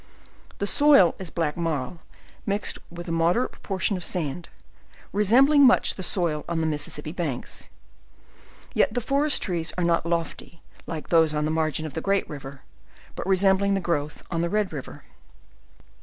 The soil is black marl, mix ed with a moderate portion of sand, resembling much the soil on the Mississippi banks; yet the forest trees are not lof ty, like those on the margin of the Great river, but resemb ling the growth on the Red rivr.